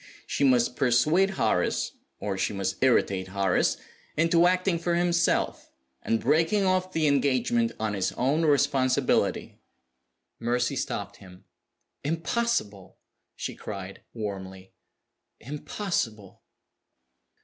She must persuade Horace (or she must irritate Horace) into acting for himself, and breaking off the engagement on his own responsibility." Mercy stopped him. "Impossible!" she cried, warmly. "Impossible!"